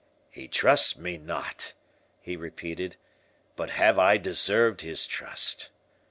"He trusts me not!" he repeated; "but have I deserved his trust?"